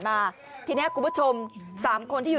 ไม่รู้อะไรกับใคร